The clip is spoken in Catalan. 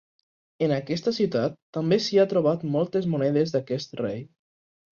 En aquesta ciutat, també s'hi ha trobat moltes monedes d'aquest rei.